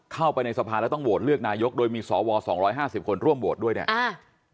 เข้าไปในสภาแล้วต้องโหวตเลือกนายกโดยมีสว๒๕๐คนร่วมโหวตด้วยเนี่ย